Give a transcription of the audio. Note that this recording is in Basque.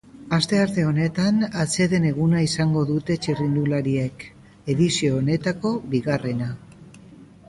Astearte honetan atseden eguna izango dute txirrindulariek, edizio honetako bigarrena.